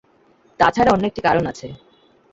তা ছাড়া অন্য একটি কারণ আছে।